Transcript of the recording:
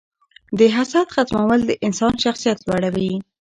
د حسد ختمول د انسان شخصیت لوړوي.